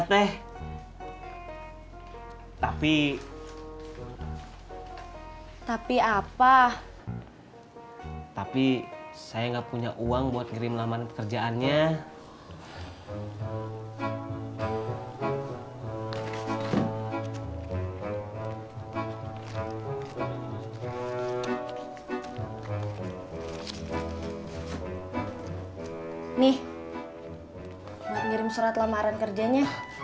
deh tapi tapi apa tapi saya enggak punya uang buat ngirim laman pekerjaannya nih ngirim surat lamaran kerjanya